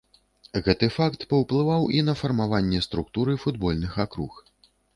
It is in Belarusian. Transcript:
Гэты факт паўплываў і на фармаванне структуры футбольных акруг.